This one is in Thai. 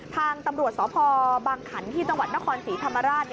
ทางตำรวจสพบางขันที่จังหวัดนครศรีธรรมราช